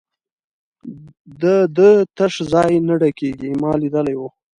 د ده تش ځای نه ډکېږي، ما لیدلی وو.